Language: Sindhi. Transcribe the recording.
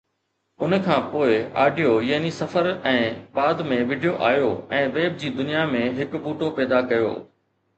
ان کان پوءِ آڊيو يعني سفر ۽ بعد ۾ وڊيو آيو ۽ ويب جي دنيا ۾ هڪ ٻوٽو پيدا ڪيو